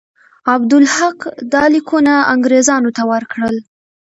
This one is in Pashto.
عبدالحق دا لیکونه انګرېزانو ته ورکړل.